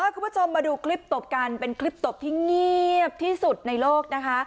คุณผู้ชมมาดูคลิปตบกันเป็นคลิปตบที่เงียบที่สุดในโลกนะคะ